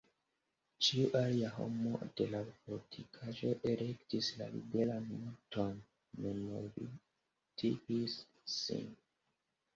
Ĉiu alia homo de la fortikaĵo elektis la liberan morton, memmortigis sin.